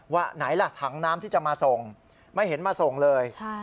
ว่าไหนล่ะถังน้ำที่จะมาส่งไม่เห็นมาส่งเลย